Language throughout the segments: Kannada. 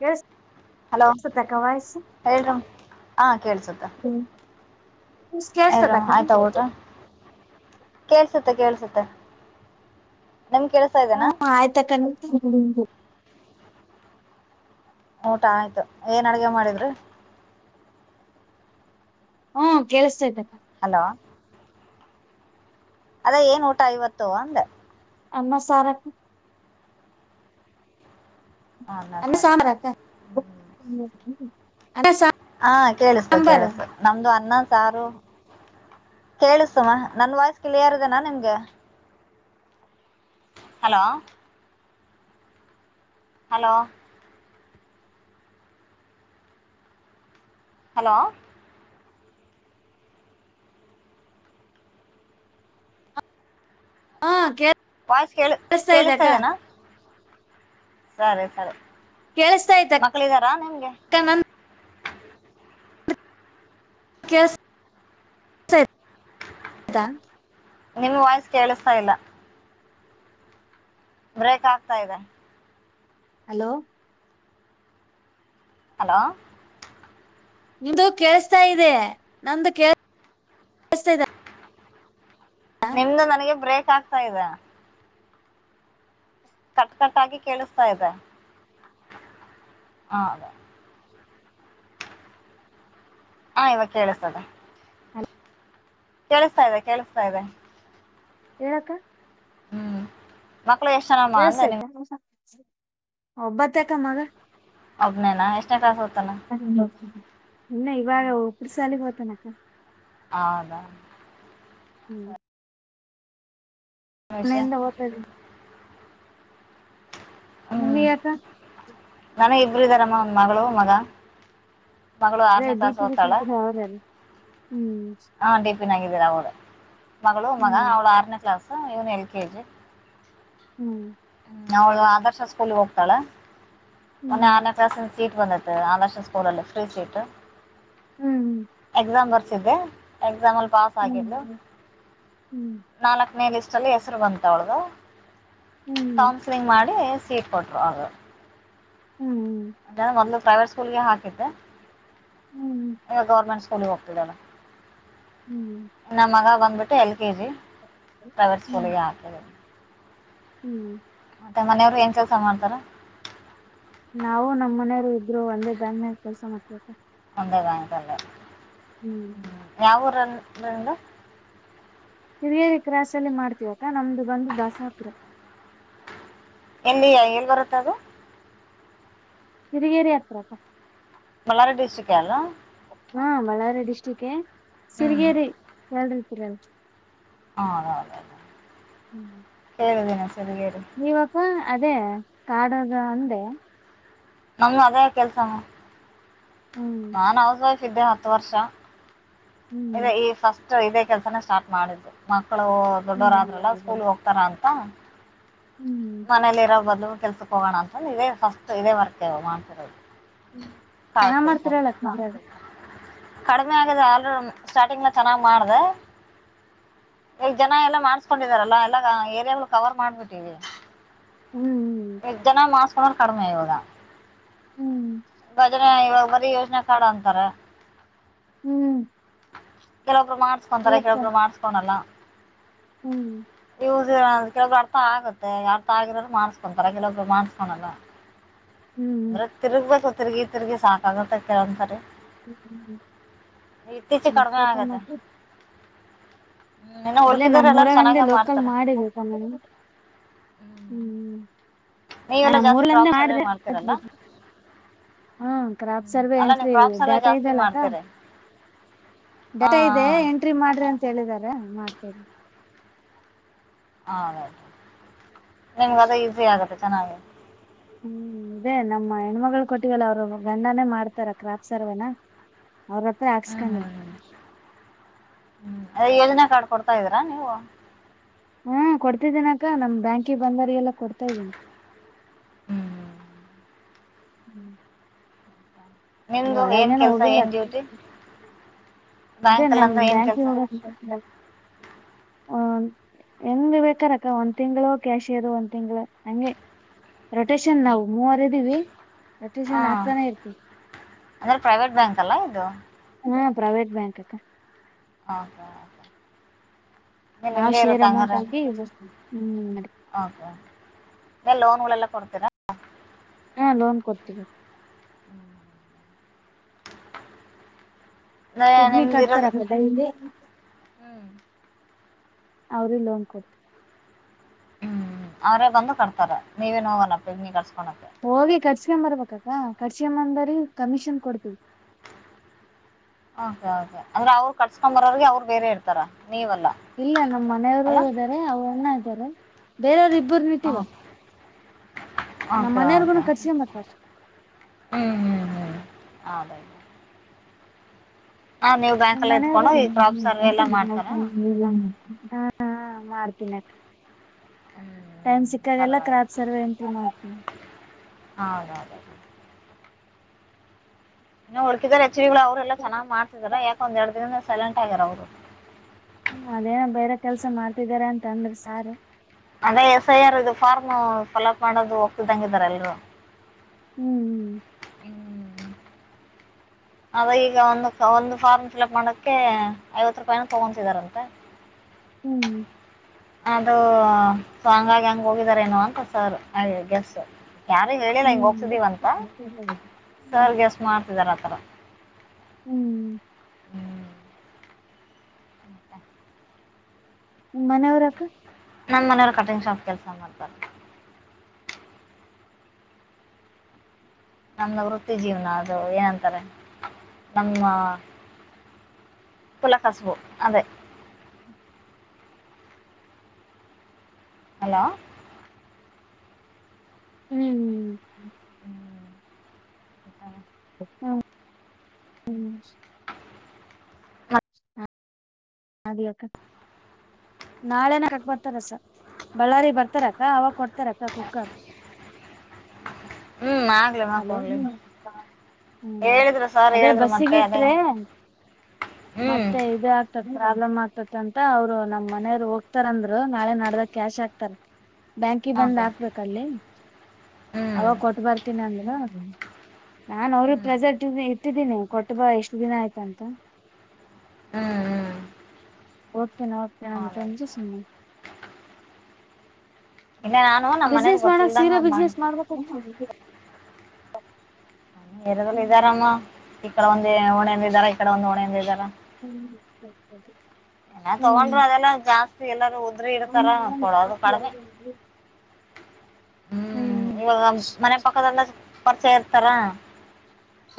ಕೇಳಿಸ್ತಾಕ್ಕ ವಾಯ್ಸ್. ಹೇಳರಮ್ಮ ಹ ಕೇಳಿಸುತ್ತೆ. ಕೇಳಿಸ್ತಾದಕ್ಕ. ಆಯ್ತಾ ಊಟ ಕೇಳ್ಸುತ್ತೆ- ಕೇಳ್ಸುತ್ತೆ ನಿಮ ಕೆೇಳ್ತ್ಸಾ ಇದೇನಾ ಆಯ್ತಕ್ಕಾ [unintelligible] ನ ಊಟ ಆಯ್ತು ಏನ್ ಅಡಗೆ ಮಾಡಿದ್ರಿ ಹ್ಮ್, ಕೇಳಿಸ್ತೈಯ್ತೆ ಹಲೋ, ಅದೇ ಏನ್ ಊಟ ಇವತ್ತು ಅಂದೆ ಅನ್ನ, ಸಾರ ಅನ್ನ ಅ್ಣ ಸಾರು ಸಾಮರ ಅ [unintelligible] ಹಾ, ಕೇಳಿಸ್ತ ಕೇಳಿಸ್ತ ನಮ್ದು ಅನ್ನ ಸಾರು ಕೇಳಿಸ್ತು. ನನ್ ವಾಯ್ಸ್ ಕ್ಲಿಯರ್ ಇದೆನಾ ನಿಮ್ಗ. ಹಲೋ, ಹಲೋ ಹಲೋ, - ಹ್ಮ್, ಕೆ ವಾಯ್ಸ್ ಕೇಳ ಕೇಳಸ್ತಾ ಇದೆ ಕೇಳಿಸ್ತಾ ಅಕ್ಕಾ ಇದೆನಾ ಸರಿ, ಸರಿ ಕೇಳಿಸ್ತೈ [unintelligible] ಇತ ಮಕ್ಳಿದಾರಾ ನಿಮ್ಗೆ ಮಾಮ ಓ ಕೇಳಿಸ್ತಾ ತಾ [unintelligible] ನಿನ್ನ ವಾಯ್ಸ್ ಕೇಳಸ್ತಾ ಇಲ್ಲಾ ಬ್ರೇಕ್ ಆಗ್ತಾ ಇದೆ. ಹಲೋ, ಹಲೋ, ನಿಂದು ಕೇಸ್ತಾ ಇದೆ. ನಂದು ಕೇ ನಿಮ್ದು ನನಗೆ ಬ್ರೇಕ್ ಆಗ್ತಾ ಇದೆ. ಕಟ್ ಕಟ್ಟಾಗಿ ಕೇಳಿಸ್ತಾ ಇದೆ. ಹ ಅದೇ ಹಾ, ಇವಾಗ ಕೇಳಿಸ್ತಾಇದೆ. ಕೇಳಿಸ್ತಾ ಇದೆ, ಕೇಳಿಸ್ತಾ ಇದೆ. ಹೇಳಕ್ಕಾ ಮಕ್ಕಳು ಎಷ್ಟ ಜನಾ ಕೆಳ್ಸೈತೆ ಒಬ್ಬತ್ತೆ [unintelligible] ಕ ಮಗ ಒಬ್ಬನೇನ ಎಷ್ಟನೇ ಕ್ಲಾಸ್ ಓದುತ್ತಾನೆ. ಹ ಹ [unintelligible] ಇನ್ನು ಇವಾಗ ಉಪ್ಪಿಟ್ಟು ಸಾಲಿಗೆ ಹೊಯ್ತನಕ್ಕಾ. ಹೌದಾ [inaudible] ಹ್ಮ್ [inaudible] ವಿಷಯ ಮನೆಯಿಂದ ಹೋಯ್ತಾದ್ದೀವಿ. ನೀ ಅಕ್ಕಾ ನನಿಗಾ ಇಬ್ರು ಇದಾರಮ್ಮ ಒಂದ ಮಗಳು, ಮಗಾ- ಅದೇ ಡಿ ಪಿ ಇಟ್ಟಿದ್ರಲ್ಲ ಅವರಲ್ಲಾ ಹ್ಮ್, ಹಾ, ಡಿ ಪಿ ನಗಿದ್ದೀರ ಅವಳು ಮಗಳು, ಮಗ ಹ್ಮ್ ಅವ್ಳ್ಆರನೇ ಕ್ಲಾಸ್ ಇವನ್ ಎಲ್, ಕೆ, ಜಿ. ಹ್ಮ್, ಅವಳು ಆದರ್ಶ ಸ್ಕೂಲ್ ಗೆ ಹೋಗತಾಳೆ. ಮೊನ್ನೆ ಹ್ಮ್ ಆರನೇ ಕ್ಲಾಸ್ ಸೀಟ್ ಬಂದಿತ್ಆದರ್ಶ ಸ್ಕೂಲ ಅ ಫ್ರೀ ಸೀಟ್. ಹ್ಮ್ ಎಕ್ಸಾಮ್ ಬರ್ಸಿದ್ದೆ. ಎಕ್ಸಾಮ್ ಅಲ್ಲಿ ಪಾಸ್ ಆಗಿದ್ಲು ಹ್ಮ್ ಹ್ಮ್ ನಾಲ್ಕನೇ ಲಿಸ್ಟಲ್ಲಿ ಹೆಸ್ರು ಬಂತ ಅವಳ್ದು ಹ್ಮ್ ಹ್ಮ್ ಕೌನ್ಸ್ಲಿಂಗ್ ಮಾಡಿ ಸೀಟ್ ಕೊಟ್ಟರು ಅವ್ರು. ಹ್ಮ್ ಅದು ಮೊದ್ಲು ಪ್ರೈವೇಟ್ ಸ್ಕೂಲ್ಗೆ ಹಾಕಿದ್ದೆ ಈ ಗೌರ್ಮೆಂಟ ಸ್ಕೂಲ್. ಅಲ್ಲಿಗೆ ಹೋಗುತ್ತಿದ್ದಾಳೆ. ಹ್ಮ್ ನಮ್ಮ ಮಗ ಬಂದ್ಬಿಟ್ಟು ಎಲ್ ಕೆ ಜಿ ಪ್ರೈವೇಟ್ ಹ್ಮ್ ಸ್ಕೂಲಿಗೆ ಹಾಕಿದೆ. ಹ್ಮ್ ಮತ್ತ ಮನೆಯವ್ರು ಏನ್ ಕೆಲಸ ಮಾಡ್ತಾರ. ನಾವು ನಮ್ಮ್ ಮನೆಯವರು ಇಬ್ರೂ ಒಂದೇ ಬ್ಯಾಂಕ್ ಕೆಲಸ ಮಾಡ್ತೀವಕ್ಕ. ಒಂದೇ ಬ್ಯಾಂಕ್ ಅಲ್ಲೇ. ಹ್ಮ್ ಯಾವ ಊರು ನಿಮ್ ಫ್ರೆಂಡ್. ಹಿರಿಯೇರಿ ಕ್ರಾಸ ಅಲ್ಲಿ ಮಾಡ್ತೀವಕ್ಕ ನಮ್ದು ಬಂದು ದಸಾಪುರ. ಇಲ್ಲಿ ಏನ್ ಬರುತ್ತೆ ಅದು. ತಿರುಗೇರಿ ಹತ್ರ. ಬಳ್ಳಾರಿ ಡಿಸ್ಟಿಹೇ ಅಲ್ವಾ. ಹಾ ಬಳ್ಳಾರಿ ಡಿಸ್ಟ್ರಿಕ್ಗೆ ಸಿಗೇರಿ ಹ್ಞೂ ಕೇಳೀರ್ತೀರಲ್. ಹಾಹಾ ಹೇಳಿದ್ನಲ್ಲ ಸಿರಿಗೆರಿ. ನೀವಪ್ಪ ಅದೇ ಕಾಡದು ಅಂದೆ. ನಮ್ ಅದೇ ಕೆಲ್ಸ. ಹ್ಮ್ ನಾನ್ ಹೌಸ್ ವೈಫ್ ಇದ್ದೆ ಹತ್ತು ವರ್ಷ. ಇದೆ ಹ್ಮ್ ಈ ಫಸ್ಟ್ ಇದೇ ಕೆಲ್ಸನ ಸ್ಟಾರ್ಟ್ ಮಾಡಿದು ಮಕ್ಕಳು ದೊಡ್ಡೋರ ಆದ್ರಲ್ಲ ಹ್ಮ್ ಸ್ಕೂಲ್ ಹೋಗ್ತಾರ ಅಂತ. ಹಾ ಹ್ಮ್ ಮನೇಲಿ ಇರೋ ಬದ್ಲು ಕೆಲ್ಸಕ್ ಹೋಗೋಣ ಅಂತ ಇದೇ ಫಸ್ಟ್ ಇದೇ ವರ್ಕ್ ಮಾಡ್ತಿರೋದು. ತೋಟ ಚೆನ್ನಾಗ್ ಕೆಲಸ. ಮಾಡ್ತಿರಲ್ಲ ಕಡಿಮೆ ಆಗಿದೆ ಆಲ್ ಸ್ಟಾರ್ಟಿಂಗ್ ಚೆನ್ನಾಗ್ ಮಾಡಿದೆ. ಈಗ ಜನ ಎಲ್ಲ ಮಾಡ್ಸ್ಕೊಂಡಿದಾರಲ್ಲ ಎಲ್ಲ ಏರಿಯಾಗಳು ಕವರ್ ಮಾಡ್ಬಿಟ್ಟಿವವಿ. ಹ್ಮ್ಹ್ಮ್ ಜನ ಮಾಡಿಸಿಕೊಳೋದು ಕಡಿಮೆ. ಹ್ಮ್ ಭಜ್ರ ಇವಾಗ ಬರೀ ಯೋಜನೆ ಕಾರ್ಡ್ ಅಂತಾರೇ. ಹ್ಮ್ ಕೆಲವೊಬ್ರು ಮಾಡ್ಸ್ಕೊಂತಾರೆ ಇವತ್ತ ಕೆಲವೊಬ್ರು ಮಾಡ್ಸ್ಕೊನಲ್ಲ. ಹ್ಮ್ ಇದು ಕೆೇಳ ಅರ್ಥ ಆಗುತ್ತೆ ಅರ್ಥ ಆಗಿರೋ್ರು ಮಾಡಿಸಿ. ಅಂದ್ರೆ ಕೆಲವೋಬ್ರು ಮಾಡಿಸಿಕೊಳೋಲ್ಲ. ಹ್ಮ್ ಅಂದ್ರೆ ತೀರಗ್ಬೇಕು ತಿಗಿತಿರ್ಗಿ ಸಾಕಗುತ್ತೆ ಕೆಲವು ಒಂದು ಸರಿ. ಹ್ಮ್ ಇತ್ತೀಚಿ ಕಡಿಮೆ ಆಗದ. ಇಲ್ಲೇ ನಮ್ಮ್ ಎಲ್ಲರೂ ಊರಗಂದೆ ಚೆನ್ನಾಗೇ ಲೋಕಲ್ ಮಾಡ್ತಾರೆ ಮಾಡಿಬೇಕೇಕಂದ. ಹ್ಮ್ ನೀವೆಲ್ಲ ನಮ್ಮ ಜಾಸ್ತಿ ಊರಲ್ಲಿ ಅಂದೇ ಕ್ರಾಪ್ ಸರ್ವೆ ಮಾಡ್ದ. ಮಾಡ್ತೀರಲ್ಲ ಹಾ ಕ್ರಾಪ್ ಹ್ಮ್ ಸರ್ವೆ ಅಲ್ಲ ನೀವು ಎಂಟ್ರಿ ಕ್ರಾಪ್ ಸರ್ವೆ ಡಾಟಾ ಜಾಸ್ತಿ ಇದೆಯಲಕ್ಕ. ಮಾಡ್ತೀರಿ ಹಾ ಡಾಟಾ ಇದೆ ಎಂಟ್ರಿ ಮಾಡ್ರಿ ಅಂತ ಹೇಳಿದಾರ ಮಾಡ್ತೇವಿ. ನಿಮಗೆ ಅದೇ ಈಸಿ ಆಗುತ್ತೆ ಚೆನ್ನಾಗಿದೆ. ಹ್ಮ್ ಇದೇ ನಮ್ಮ ಹೆಣ್ಮಗ್ ಕೊಟ್ಟಿವಲ್ಲ ಅವ್ರು ಗಂಡನೇ ಮಾಡ್ತಾರೇ ಕ್ರಾಪ್ ಸರ್ವೇನಾ. ಅವ್ರ ಹತ್ರ ಹ್ಮ್ ಹಾಕ್ಸ್ಕೊಂಡಿದ ಹ್ಮ್, ಹ್ಮ್ ಹ್ಮ್, ಅದೇ ಯೋಜನೆ ಕಾರ್ಡ್ ಕೊಡ್ತಾ ಇದೀರಾ ನೀವು ಹ್ಮ್, ಕೊಡ್ತಿದ್ದೇನ ಅಕ್ಕ ನಮ್ ಬ್ಯಾಂಕಿಗೆ ಬಂದವರಿಗೆಲ್ಲ ಕೊಡ್ತಾ ಇದ್ದೀನಿ. ಹ್ಮ್ ಹ್ಮ [inaudible] ಹ್ಞೂ [inaudible] ನಿಮ್ದು ಏನ್ ಹೊರಗೇನು ಕೆಲಸ ಹೋಗಿಲ್ಲಾ ಏನ್ ಡ್ಯೂಟಿ ಇದೇ ಬ್ಯಾಂಕ್ ಅಲ್ಲಿ ನಮ್ ಅಂದ್ರೆ ಏನ್ ಬ್ಯಾಂಕಗೆ ಕೆಲಸ ಹಡ [unintelligible] ಹ ಎನ್ ಬೇಕಾರಕ್ಕ ಒಂದ್ ತಿಂಗಳು ಕ್ಯಾಶಿಯರು ಒಂದ್ ತಿಂಗ್ಗಳು ಹಂಗೆ ರೊಟೇಶನ್ ನಾವು ಮೂವರೆ ಇದ್ದೀವಿ, ಹಾ ರೊಟೇಶನ್ ಆಕ್ತಾನೇ ಇರ್ತೀವಿ. ಅಂದ್ರೆ ಪ್ರೈವೇಟ್ ಬ್ಯಾಂಕ್ ಅಲ್ಲ ಇದು. ಹ್ಮ್, ಪ್ರೈವೇಟ್ ಬ್ಯಾಂಕ್ ಅಕ್ಕಾ ಹಾ ಹಾ [inaudible] ನಾವ್ ಶೇರ್ ಅಮೌಂಟ್ ಆಗಿ ಬರ್ತೇವಿ ಹ್ಮ್. ಓಕೆ, ಲೋನ್ ಗಳೆಲ್ಲ ಕೊಡ್ತೀರಾ ಹಾ, ಲೋನ್ ಕೊಡ್ತೀವಿ. ಹ್ಮ್ [inaudible] ಅದೇ ಪಿಗ್ಮಿ ಕಡ್ತಾರ ನಿಮ್ದಿರೋದು ಅಕ್ಕಾ ಡೈಲಿ ಹ್ಮ್ ಅವ್ರೆ ಲೋನ್ ಕೊಡ್ತಾರೆ. ಅವ್ರೇ ಬಂದು ಕೊಡ್ತಾರೆ ನೀವೇನು ಪಿಗ್ನಿ ಕಟ್ಸ್ಕೊಳಕೆ ಹೋಗಿ ಕಟ್ಸಕೊಂಬರ್ಬೇಕ್ಕ ಕಟ್ಸಂಬದರಿಗೆ ಕಮಿಷನ್ ಕೊಡ್ತೀವಿ. ಕೆ ಕೆ ಅಂದ್ರೆ ಅವ್ರು ಕಟ್ಸ್ಕೊಂಡ್ ಬರೋರಿಗೆ ಅವ್ರು ಬೇರೆ ಇರ್ತಾರ ನೀವಲ್ಲಾ. ಇಲ್ಲ ನಮ್ಮ್ ಮನೆಯವರು ಇದ್ದಾರೆ ಅವ್ರು ಅಣ್ಣಾ ಇದ್ದಾರೆ. ಬೇರೆಯವರು ಇಬ್ಬರು ನಿಟ್ಟವ ನಮ್ಮ್ ಓಕೆ ಮನೆಯವರ್ಗೂನ ಓಕೆ ಕಟ್ಸಂ ಬರ್ತಾರ. ಹ್ಮ್ ಹ್ಮ್ ಹ್ಮ್ ಅದ ನೀವು ನಿ್ ಬ್ಯಾಂಕಲ್ಲೇ ಮನ ಇದ್ಕೊಂಡು ಈ ಕ್ರಾಪ್ ಸರ್ವೆ ಎಲ್ಲ ಮಾಡ್ತಾರಾ ಹ್ಮ್ ಮಾಡ್ತೀನಿ [unintelligible] ಹ್ಮ್ ಟೈಮ್ ಸಿಕ್ಕಾಗೆಲ್ಲ ಪರವಾಗಿಲ್ಲ ಕ್ರಾಪ್ ಸರ್ವೆ ಇಂತವ ಮಾಡ್ತೀವಿ. ಹಾ, ಹೌದೌದು - ಇ ಉಳಕಿದ್ದವರೆ ಎಚ್ಚಿಗಿಲ ಅವ್ರು ಎಲ್ಲ ಚನ್ನಾಗಿ ಮಾಡ್ತೀದ್ದಾರೆ ಯಾಕೆ ಒಂದ ಎರಡು ದಿನ ಸೈಲೆಂಟ್ ಆಗಾರ ಅವರು. ಅದೇನ ಬೇರೆ ಕೆಲ್ಸ ಮಾಡ್ತಿದಾರ ಅಂತ ಅಂದ್ರಿ ಈ ಸಾರಿ. ಅಂದ್ರೆ ಎಸ್ ಐ ಆರ್ ಇದು ಫಾರ್ಮ್ ಫಿಲ್ಅಪ್ ಮಾಡೋದು ಒಬ್ಬ ರಿದಂಗ ಇದಾರೆ ಎಲ್ರು. ಹ್ಮ್್ಮ್ [inaudible] ಹ [inaudible] ಅವಾ ಈಗ ಒಂದು ಒಂದು ಫಾರ್ಮ್ ಫಿಲ್ಅಪ್ ಮಾಡಕ್ಕೆೆ ಐವತ್ತು ರೂಪಾಯಿಎನ್ ತಗೊತಿದಾರಂತೆ. ಹ್ಮ್, ಅದು ಸೊ ಹಂಗಾಗಿ ಹೆಂಗೆ ಹೋಗಿದಾರೇನೊ ಅಂತ ಸರ್ ಹಾಗೆ ಗೆಸ್ಸು ಯಾರು ಹೇಳಿಲ್ಲ ಹಿಂಗ ಹ್ಮ್ ಹೋಗತಿದೀವ ಅಂತ ಹ್ಮ್ ಸರ್ಗೆಸ ಮಾಡ್ತಿದಾರೆ ಆತರ. ಹ್ಮ್ [inaudible] ಹ್ಮ್ ಮನೆಯವರಕ್ಕಾ ನಮ್ಮಮನೆಯವರು ಕಟಿಂಗ್ ಶಾಪ್ ಕೆಲಸ ಮಾಡ್ತಾರೆ. ನಮ್ದ ವೃತ್ತಿ ಜೀವನ ಅದು ಏನಂತಾರೆ ನಮ್ಮ ಕುಲ ಕಸುಬು ಅದೇ ಹಲೋ, ಹ್ಮ್, ಹ್ಮ್ತ [unintelligible] ಹ್ಮ ಹ್ಮ್ [inaudible] ಅದೇ ಅಕ್ಕ. ನಾಳೆನ ಕಟ್ ಬರ್ತಾರಸ ಬಳ್ಳಾರಿ ಬರ್ತಾರ ಅಕ್ಕ ಅವಾಗ ಕೊಡ್ತಾರ ಅಕ್ಕ ಕುಕ್ಕರ್. ಹ್ಮ್. ಆಗ್ಲಿ ಹಲೋ ಮಾಡ್ಕೊಡ್ಲಿ ಹ್ಮ ಹ್ಮ್ ಹೇಳಿದ್ರು ಸರ್ ಅದೇ ಹೇಳಿದ್ರು ಮತ್ತೆ ಬಸ್ಸಿಗೆ ಅದೇ ಇಟ್ರೆ. ಹ್ಮ್ ಮತ್ತೆ ಇದು. ಪ್ರಾಬ್ಲಮ್ ಆಗ್ತ ಅಂತ ಅವ್ರು ನಮ್ ಮನೆಯವರು ಹೋಗ್ತಾರ ಅಂದ್ರು ನಾಳೆ ನಡ್ದ ಕ್ಯಾಶ್ ಆಗ್ತಾರ. ಬ್ಯಾಂಕಿಗೆ ಬಂದ್ ಓಕೆ ಹಾಕ್ಬೇಕಲ್ಲಿ ಹ್ಮ್ ಅವಾಗ ಕೊಟ್ ಬರ್ತೀನಿ ಅಂದ್ರು. ನಾನ್ ಅವರು ಹ್ಮ್ ಪ್ರೆಸರ್ಟ್ ಇಟ್ಟಿದ್ದೀನಿ ಕೊಟ್ಟ ಬಾ ಎಷ್ಟು ದಿನ ಆಯ್ತಂತ ಹ್ಮ್ ಹ್ಮ್ ಹೋಗ್ತೀನಿ ಹೋಗ್ತೀನಿ ಹ ಅಂತ ಸುಮ್ನೆ. ಇಲ್ಲ ನಾನು. ನಮ್ಮ್ ಮನೆಯವ್ರು ಬಿಸ್ನೆಸ್ ಮಾಡಕ್ ಸೀರೆ ಗೊತ್ತಿಲ್ದಂಗ ಮಾಡಿ ಬಿಸ್ನೆಸ್ ಮಾಡಬೇಕು. ನಮ್ಮ ಏರಿಯಾದಲ್ಲಿ ಇದ್ದಾರಮ್ಮ ಈಕಡೆ ಒಂದ ಓಣೆಯಂದ ಇದಾರಾ ಈಕಡ ಒಂದು ಓಣೆಯಂದ ಇದ್ದಾರೇ. ಹ್ಮ್. ತಗೊಂಡ್ರರು ಅದೆಲ್ಲ ಜಾಸ್ತಿ ಎಲ್ಲಾರೂ ಉದ್ರಿ ಇಡ್ತಾರ ಹ್ಮ್ ಕೊಡೋದು ಕಡಿಮೆ. ಹ್ಮ್ ಇವಾಗ ಮನೆ ಪಕ್ಕದಲ್ಲ ಪರಿಚಯ ಇರ್ತಾರ.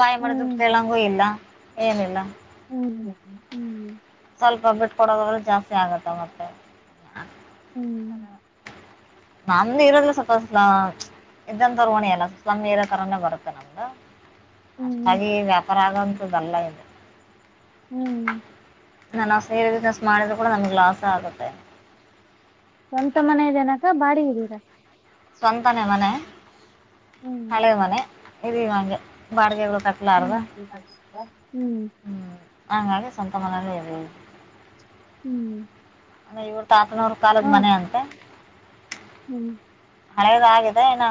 ಬಾಯಿಬಿಟ್ಟು ಕೇಳಗು ಇಲ್ಲ ಏನಿಲ್ಲ [inaudible] ಸ್ವಲ್ಪ ಬಿಟ್ಕೊಡೋದಾದ್ರೆ ಜಾಸ್ತಿ ಆಗತ್ತ ಮತ್ತೆ. [inaudible] ನಮ್ದು ಇರೋದ್ರ ಸ್ವಲ್ಪಲ ಇದ್ದಂತಗಣಿ ಎಲ್ಲ ಕಮ್ಮಿ ಇರೋ ತರನೇ ಬರುತ್ತೆ ನಮ್ದು. ಹ್ಮ್ ಅಷ್ಟಾಗಿ ವ್ಯಾಪಾರ ಆಗಂತು ಬಲ್ಲ ಇದೆ. ಹ್ಮ್. ನಾವು ಸೇರಿ ಬಿಸ್ನೆಸ್ ಮಾಡಿದರೂ ಕೂಡ ನಮಗೆ ಲಾಸ ಆಗುತ್ತೆ. ಸ್ವಂತ ಮನೆದೆನಕ ಬಾಡಿಗೆ ಇದ್ದೀರಾ. ಸ್ವಂತನೆ ಮನೆ ಹ್ಮ್ ಹಳೆ ಮನೆ ಇದ ನಂಗೆ ಬಾಡಿಗಳು ಕಟ್ಟ. ಹ್ಮ್ ಹ್ಮ್ ಹಾಗಾಗಿ ಸ್ವಂತ ಮನೇಲಿ [unintelligible] [inaudible] ಅ ಇವು ತಾತನವಾರ ಹ ಕಾಲದ ಮನೆ ಅಂತೆ. ಹ್ಮ್. ಹಳೆದ ಆಗಿದೆ ಇನ್ನ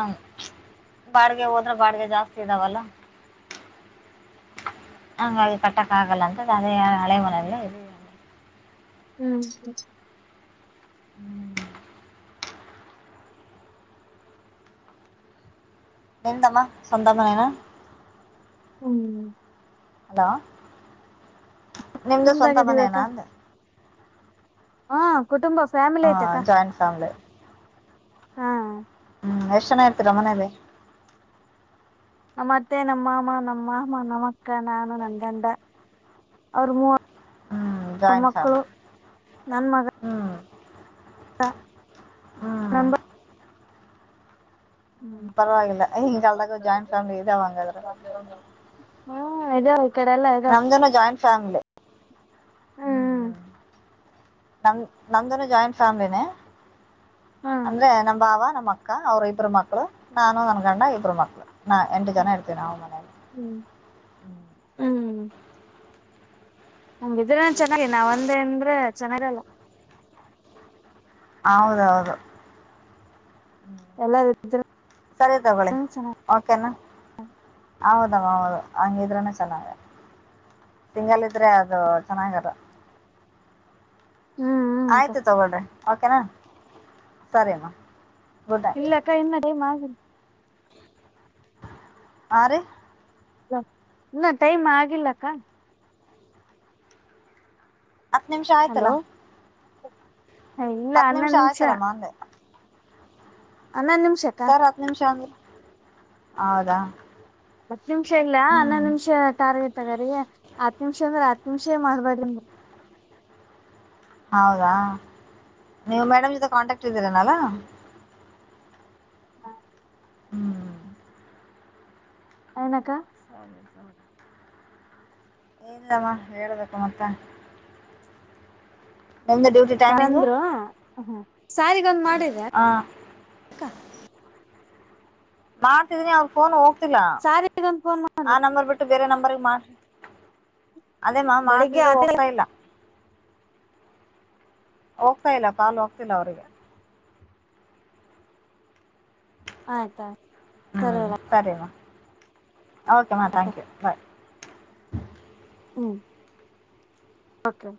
ಬಾಡಿಗೆ ಹೋದ್ರೆ ಬಾಡಗೆ ಜಾಸ್ತಿ ಇದ್ದಾವಲ್ಲ. ಹಂಗ ಅದು ಕಟಕ್ಕೆ ಆಗಲ್ಲ ಅಂತ ಅದೇ ಅಳೆ ಮನೆಯಲ್ಲೇ ಇದ್ವಿ. ಹ್ಮ್ [inaudible] ನಿಂದುಮ್ಮ ಸ್ವಂತ ಮನೇನ ಹ್ಮ್ ಹಲೋ ನಿಮ್ದು ಸ್ವಂತ ತುಂಬದಾಗದಿವಕ್ಕ ಮನೇನಾ ಅಂದೇ. ಹಾ ಕುಟುಂಬ ಫ್ಯಾಮಿಲಿ ಐತಕ್ಕ. ಸಣ್ಣ ಫ್ಯಾಮಿಲಿ ಹಾ ಹ್ಮ್ ಎಷ್ಟ್ ಜನ ಇರ್ತೀರ ಮನೇಲಿ. ನಮ್ಮ ಅತ್ತೆ ನಮ್ಮ ಮಾಮ್ಮ ನಮ್ಮ ಮಾಮ್ಮ ನಮ್ಮ ಅಕ್ಕ ನಾನು ನನ್ನ ಗಂಡ ಅವ್ರ ಮೂವರ. ಹ್ಮ್ ಜಾಯಿಂಟ್ ಫ್ಯಾಮಿಲಿ ಹ್ಮ್ ಹ ಹ್ಮ್ ನಂಬರ [inaudible] ಹುಂ ಪರವಾಗಿಲ್ಈಗಿನ ಕಾಲ್ದಾಗ ಜಾಯಿಂಟ್ ಫ್ಯಾಮಿಲಿ ಇದಾವ ಹಂಗಾದ್ರ ಹಾ ಇದಾ ರಿ ನಮ್ಮದನ್ ಜಾಯಿಂಟ್ ಫ್ಯಾಮಿಲಿ ಹ್ಮ್ ನಮ ನಮ್ದನು ಜಾಯಿಂಟ್ ಫ್ಯಾಮ್ಲಿನೇ ಹ್ಮ ಅಂದ್ರೆ ನಮ್ಮ ಭಾವಾ ನಮ್ಮ್ ಅಕ್ಕಾ ಅಕ್ಕ ಅವ್ರ ಇಬ್ಬರು ಮಕ್ಕಳು ನಾನು ನನ್ ಗಂಡ ಇಬ್ಬರು ಮಕ್ಕಳು ನಾವು ಎಂಟ ಜನಾ ಇರತೀವ ನಾವು ಮನೆಯಾಗ ಹುಂ ನಮ್ದ್ ಇದ ಚೆನ್ನಾಗಿ ನಾವ ಒಂದ ಅಂದ್ರೆ ಚೆನ್ನಾಗಲ್ಲಾ ಹೌದೌದು ಎಲ್ಲಾರ ಸರಿ ತಗೊಳ್ಳಿ ಚೆನ್ನಾಗಿ ಓಕೆ ನಾ ಹೌದವ್ವ ಹೌದು ಹಂಗಿದ್ರ ಚೆನ್ನಗೆ ಸಿಂಗಲ್ ಇದ್ರೆ ಅದು ಚೆನ್ನಾಗಿರಿಲ್ ಹ್ಮ್ ಹ್ಮ್ ಅಕ್ಕ ಆಯ್ತು ತಗೊಳ್ರಿ ಓಕೆನಾ ಸರಿಮ್ಮಾ ಇಲ್ಲ ಅಕ್ಕಾ ಇನ್ನ ರೇ [unintelligible] ಆ ರಿ ಇನ್ ಟೈಮ್ ಆಗಿಲ್ಲಕ್ಕಾ ಹತ್ತ ನಿಮಿಷಾ ಹಲೋ ಇಲ್ಲಾ ಹತ್ತು ನಿಮಿಷ ಅನ್ನೋದು ನಿಮಿಷಾ ಆಯ್ತಲ್ಲಮ್ಮ ಅಂದೆ ಹನ್ನೊಂದ್ ನಿಮಿಷಾ ಸರ್ ಹತ್ತು ನಿಮಿಷ ಅಂದ್ರ ಹೌದಾ ಹತ್ ನಿಮಿಷ ಇಲ್ಲ ಹ್ಮ್ ಹನ್ನೊಂದು ನಿಮಿಷ ಟಾರ್ಗ ತಗಾರಿಗೆ ಹತ್ತು ನಿಮಿಷ ಅಂದ್ರೆ ಹತ್ ನಿಮಿಷೇ ಮಾಡ್ಬಾರ ಹೌದಾ ನೀವು ಮೇಡಮ್ ಜೊತೆ ಕಾಂಟ್ಯಾಕ್ಟ್ ಇದ್ದೀರನಲಾ ಹಾ ಹಾ ಎನ್ ಅಕ್ಕಾ ಹ ಇಲ್ಲವಾ ಹೇಳ್ಬೇಕು ಮತ್ತ ಒಂದ [unintelligible] ತಂದ್ರು ಹ ಸಾರಿ ಗಂದ್ ಮಾಡಿದೆ ಹ ಮಾಡತೀದಿನಿ ಅವಗ ಫೋನ್ ಹೋಗತ್ತಿಲ್ಲಾ ಸಾರಿಗೊಂದ್ ಫೋನ್ ಆ ನಂಬರ್ ಮಾಡ್ಬೇಕು ಬಿಟ್ಟು ಬೇರೆ ನಂಬರ್ ಗೆ ಮಾಡ್ ಅದೇ ಮಾ ಬೆಳಿಗ್ಗೆ ಮಾಡ್ತಿದ್ರ ಆತ ಹೋಗ್ತಾ ಇಲ್ಲಾ ಹೋಗ್ತಾ ಇಲ್ಲಾ ಕಾಲ್ ಹೋಗ್ತಿಲ್ಲ ಅವ್ರರಿಗೆ ಆಯ್ತಾಯ್ತು ಸರಿ ಹ್ಮ್ [unintelligible] ಸರಿಮ್ಮ ಓಕೆಮ್ಮ ಅಕ್ಕ ಥಾಂಕ್ ಯು ಬಾಯ್ ಹುಂ ಓಕೆ